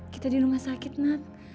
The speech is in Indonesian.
kita di rumah sakit nak